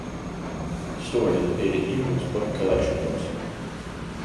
The story has appeared in numerous collection books.